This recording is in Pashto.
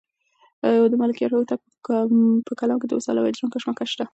د ملکیار هوتک په کلام کې د وصال او هجران کشمکش شته.